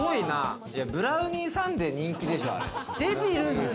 ブラウニーサンデー、人気でしょ。